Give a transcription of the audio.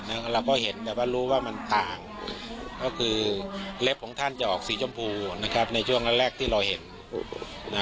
เราก็เห็นแต่ว่ารู้ว่ามันต่างก็คือเล็บของท่านจะออกสีชมพูนะครับในช่วงแรกที่เราเห็นนะ